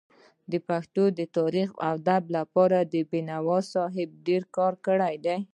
د پښتو د تاريخ او ادب لپاره بينوا صاحب ډير کار کړی دی.